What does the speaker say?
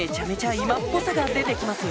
今っぽさが出て来ますよ